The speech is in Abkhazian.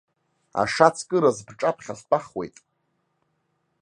Ашацкыраз бҿаԥхьа стәахуеит.